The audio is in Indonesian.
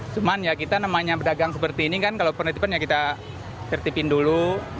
cuman ya kita namanya pedagang seperti ini kan kalau penertiban ya kita tertipin dulu